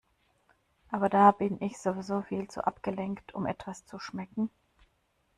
Aber da bin ich sowieso viel zu abgelenkt, um etwas zu schmecken.